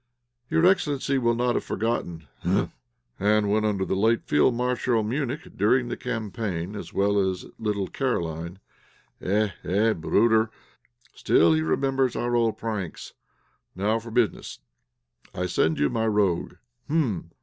'Your excellency will not have forgotten' Humph! 'And when under the late Field Marshal Münich during the campaign, as well as little Caroline' Eh! eh! bruder! So he still remembers our old pranks? 'Now for business. I send you my rogue' Hum!